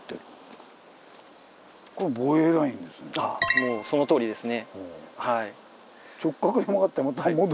もうそのとおりですね。